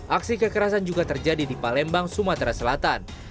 aksi kekerasan juga terjadi di palembang sumatera selatan